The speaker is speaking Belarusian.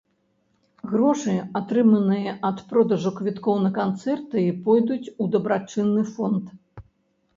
Грошы, атрыманыя ад продажу квіткоў на канцэрты, пойдуць у дабрачынны фонд.